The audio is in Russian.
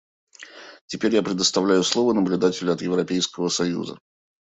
Теперь я предоставляю слово наблюдателю от Европейского союза.